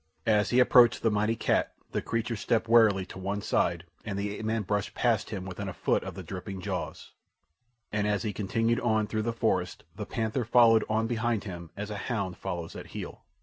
As he approached the mighty cat the creature stepped warily to one side, and the ape man brushed past him within a foot of the dripping jaws, and as he continued on through the forest the panther followed on behind him, as a hound follows at heel.